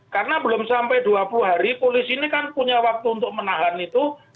karena belum sampai dua puluh hari polisi ini kan punya waktu untuk menahan itu